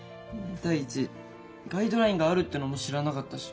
第一ガイドラインがあるってのも知らなかったし。